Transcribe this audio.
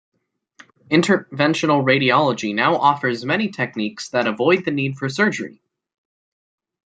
Interventional radiology now offers many techniques that avoid the need for surgery.